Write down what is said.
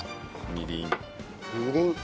みりん。